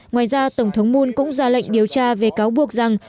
ngoài ra tổng thống moon cũng ra lệnh điều tra về cáo buộc rằng